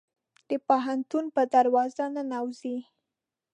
د پوهنتون په دروازه ننوزي